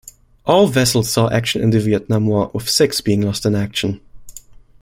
All vessels saw action in the Vietnam War, with six being lost in action.